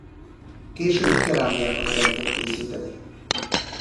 Később kerámiákat kezdett készíteni.